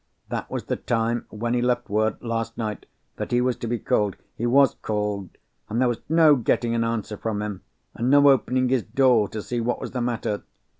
That was the time when he left word, last night, that he was to be called. He was called—and there was no getting an answer from him, and no opening his door to see what was the matter.